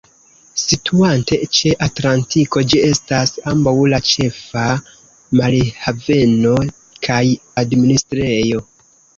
Situante ĉe Atlantiko, ĝi estas ambaŭ la ĉefa marhaveno kaj administrejo.